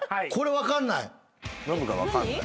ノブが分かんない？